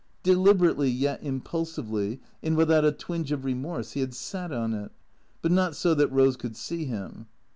Deliberately, yet impulsively, and without a twinge of re morse, he had sat on it. But not so that Eose could see him.